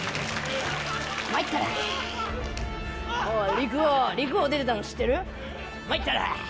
『陸王』『陸王』出てたの知ってる？